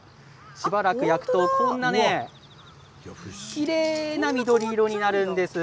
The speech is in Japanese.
しばらく焼くとこんなふうにきれいな緑色になるんですよ。